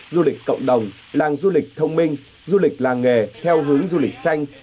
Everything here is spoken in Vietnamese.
du lịch cộng đồng làng du lịch thông minh du lịch làng nghề theo hướng du lịch xanh